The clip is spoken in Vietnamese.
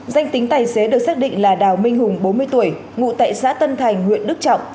danh tính tài xế được xác định là đào minh hùng bốn mươi tuổi ngụ tại xã tân thành huyện đức trọng